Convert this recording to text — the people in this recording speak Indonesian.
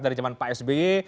dari zaman pak sby